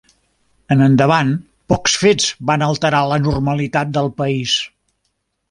En endavant pocs fets van alterar la normalitat del país.